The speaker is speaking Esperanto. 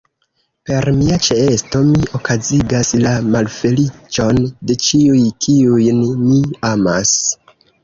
Per mia ĉeesto mi okazigas la malfeliĉon de ĉiuj, kiujn mi amas.